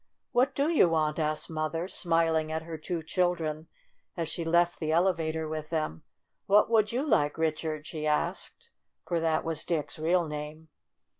"What do you want?" asked Mother, smiling at her two children as she left the elevator with them. "What would you like, Richard?" she asked; for that was Dick's real name.